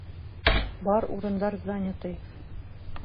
Бар урындар занятый.